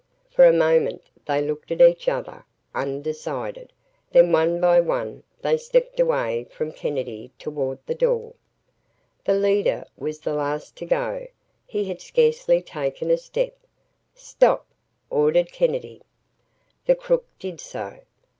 For a moment they looked at each other, undecided, then one by one, they stepped away from Kennedy toward the door. The leader was the last to go. He had scarcely taken a step. "Stop!" ordered Kennedy. The crook did so.